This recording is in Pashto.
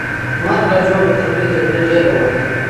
مرګ او ژوبله تر بلې جګړې ډېره وه.